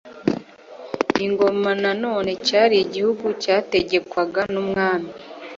Ingoma na none cyari ''Igihugu cyategekwaga n'umwami,